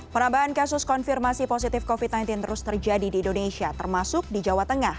penambahan kasus konfirmasi positif covid sembilan belas terus terjadi di indonesia termasuk di jawa tengah